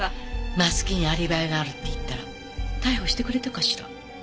松木にアリバイがあるって言ったら逮捕してくれたかしら？